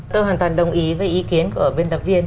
tôi hoàn toàn đồng ý với ý kiến của biên tập viên